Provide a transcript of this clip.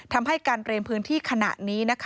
ทำให้การเตรียมพื้นที่ขณะนี้